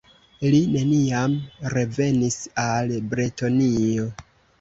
Li neniam revenis al Bretonio.